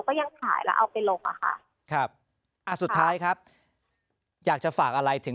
ก็ยังขายแล้วเอาไปลงอ่ะค่ะครับอ่าสุดท้ายครับอยากจะฝากอะไรถึง